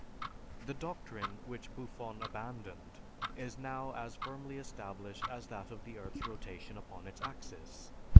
The doctrine which Buffon abandoned is now as firmly established as that of the earth's rotation upon its axis.